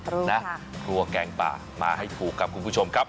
รู้นะครัวแกงปลามาให้ถูกครับคุณผู้ชมครับ